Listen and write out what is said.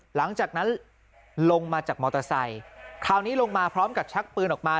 หลังจากนั้นลงมาจากมอเตอร์ไซค์คราวนี้ลงมาพร้อมกับชักปืนออกมา